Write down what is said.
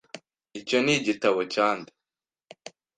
Icyo ni igitabo cya nde?